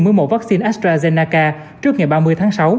mối một vaccine astrazeneca trước ngày ba mươi tháng sáu